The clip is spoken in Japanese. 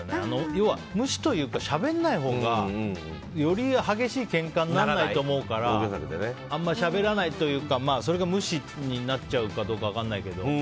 要は無視というかしゃべらないほうがより激しいけんかにならないと思うからあまりしゃべらないというかそれが無視になっちゃうか分からないけど。